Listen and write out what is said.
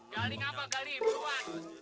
gali gali buruan